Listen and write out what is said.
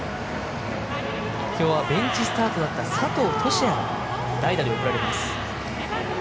今日はベンチスタートだった佐藤都志也が代打で送られます。